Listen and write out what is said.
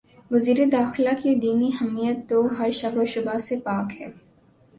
وزیر داخلہ کی دینی حمیت تو ہر شک و شبہ سے پاک ہے۔